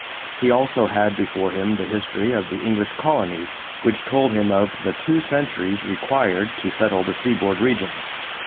He also had before him the history of the English colonies, which told him of the two centuries required to settle the seaboard region.